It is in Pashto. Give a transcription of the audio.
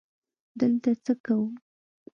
_دلته څه کوو؟